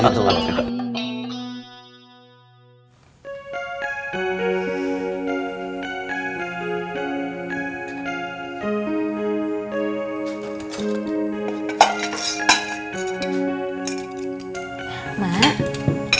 masih belasan tahun